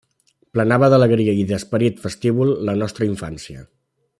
Plenava d’alegria i d’esperit festívol la nostra infància.